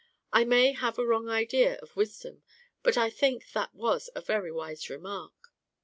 I may have a wrong idea of wisdom, but I think that was a very wise remark.